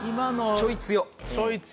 ちょい強。